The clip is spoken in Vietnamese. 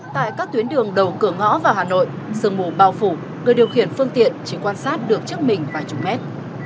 tại các tuyến đường đầu cửa ngõ vào hà nội sương mù bao phủ người điều khiển phương tiện chỉ quan sát được trước mình vài chục mét